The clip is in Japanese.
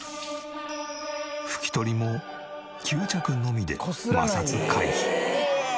拭き取りも吸着のみで摩擦回避。